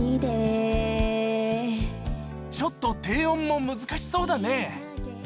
ちょっと低音も難しそうだね。